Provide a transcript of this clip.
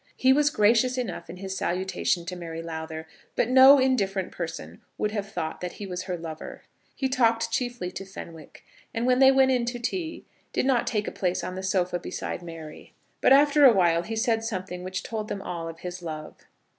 He was gracious enough in his salutation to Mary Lowther, but no indifferent person would have thought that he was her lover. He talked chiefly to Fenwick, and when they went in to tea did not take a place on the sofa beside Mary. But after a while he said something which told them all of his love.